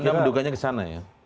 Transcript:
anda menduganya kesana ya